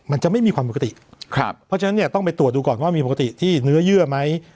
มันจะไม่มีความปกติครับเพราะฉะนั้นเนี่ยต้องไปตรวจดูก่อนว่ามีปกติที่เนื้อเยื่อไหม